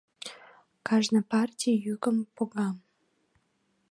Кажне партий йӱкым пога.